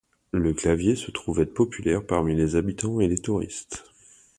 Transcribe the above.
Le clavier se trouve être populaire parmi les habitants et les touristes.